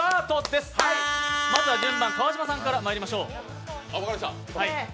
まずは川島さんからまいりましょう。